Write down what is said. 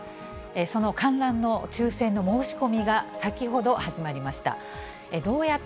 その観覧の抽せんの申し込みが先ほど始まりました。